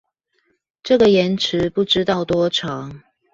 這個延遲不知道多長